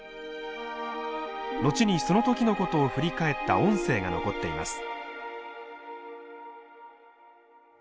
後にその時のことを振り返った音声が残っています。